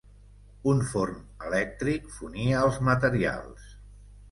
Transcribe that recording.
Un forn elèctric fonia els materials.